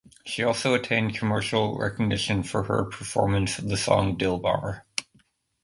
She also attained commercial recognition for her performance of the song "Dilbar".